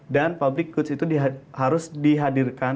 dan public goods itu harus dihadirkan